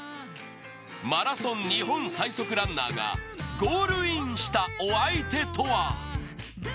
マラソンに本最速ランナーがゴールインしたお相手とは？